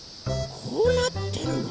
こうなってるの？